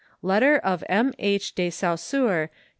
Letter of M. H. de Saussure to M.